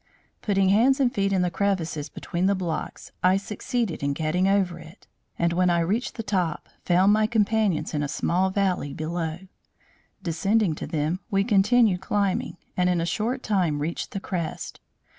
"Putting hands and feet in the crevices between the blocks, I succeeded in getting over it, and when I reached the top, found my companions in a small valley below. Descending to them, we continued climbing, and in a short time reached the crest.